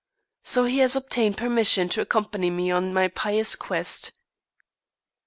So he has obtained permission to accompany me on my pious quest.